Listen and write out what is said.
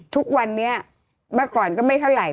ทุกวันนี้เมื่อก่อนก็ไม่เท่าไหร่